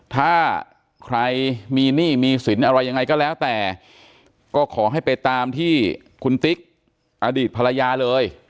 ถ้าใครมีหนี้มีสินอะไรยังไงก็แล้วแต่ก็ขอให้ไปตามที่คุณติ๊กอดีตภรรยาเลย